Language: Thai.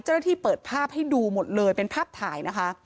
เจ้าหน้าที่เปิดภาพให้ดูหมดเลยเป็นภาพถ่ายนะคะ